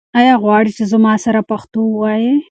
آیا غواړې چې زما سره پښتو ووایې؟